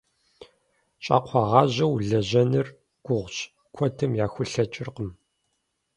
Щӏакхъуэгъажьэу уэлэжьэныр гугъущ, куэдым яхулъэкӏыркъым.